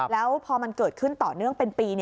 แล้วพอมันเกิดขึ้นต่อเนื่องเป็นปี